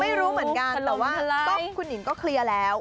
ไม่รู้เหมือนกันแต่ว่าก็คุณหนิงก็เคลียร์แล้ว